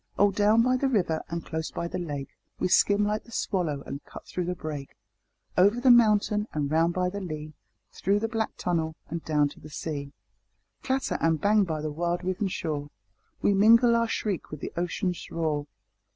Oh down by the river and close by the lake We skim like the swallow and cut though the brake; Over the mountain and round by the lea, Though the black tunnel and down to the sea. Clatter and bang by the wild riven shore, We mingle our shriek with the ocean's roar.